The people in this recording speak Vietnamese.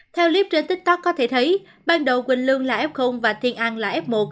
theo clip trên tiktok có thể thấy ban đầu quỳnh lương là f và thiên an là f một